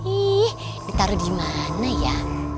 ih ditaruh dimana ya